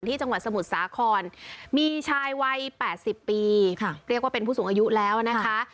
จังหวัดสมุทรสาครมีชายวัย๘๐ปีเรียกว่าเป็นผู้สูงอายุแล้วนะคะ